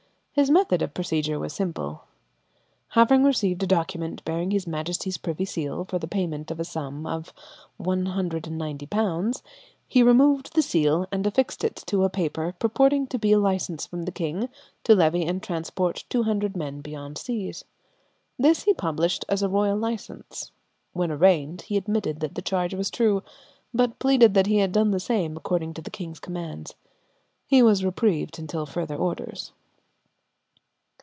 His method of procedure was simple. Having received a document bearing his Majesty's privy seal for the payment of a sum of £190, he removed the seal and affixed it to a paper purporting to be a license from the king to levy and transport two hundred men beyond seas. This he published as a royal license. When arraigned he admitted that the charge was true, but pleaded that he had done the same according to the king's commands. He was reprieved until further orders.